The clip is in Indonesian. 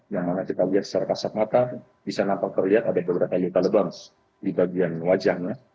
yang mana kita lihat secara kasat mata bisa nampak terlihat ada beberapa luka lebam di bagian wajahnya